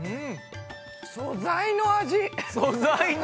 素材の味！